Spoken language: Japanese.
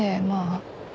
まあ。